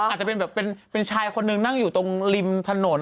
อาจจะเป็นแบบเป็นชายคนนึงนั่งอยู่ตรงริมถนน